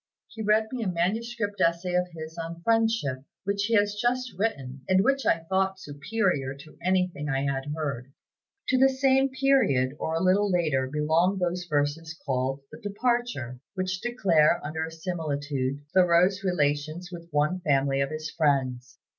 He read me a manuscript essay of his on 'Friendship,' which he has just written, and which I thought superior to anything I had heard." To the same period or a little later belong those verses called "The Departure," which declare, under a similitude, Thoreau's relations with one family of his friends.